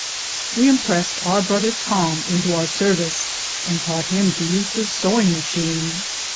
We im pressed our brother Tom into our service, and taught him to use the sewing machine.